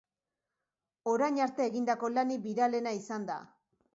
Orain arte egindako lanik biralena izan da.